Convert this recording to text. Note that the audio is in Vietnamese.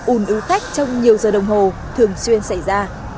ùn ứ khách trong nhiều giờ đồng hồ thường xuyên xảy ra